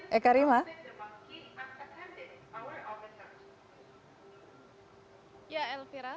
jika kegiatan anda dilakukan oleh masjid sila mengundang pengawasan kami